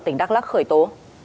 tỉnh đắk lắc khởi tố